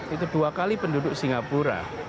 itu dua kali penduduk singapura